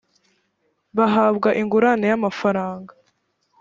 bahabwa ingurane y amafaranga